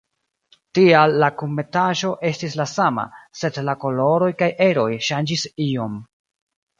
Tial la kunmetaĵo estis la sama, sed la koloroj kaj eroj ŝanĝis iom.